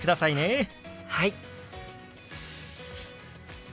はい！